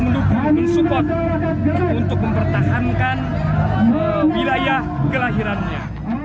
mendukung men support untuk mempertahankan wilayah kelahirannya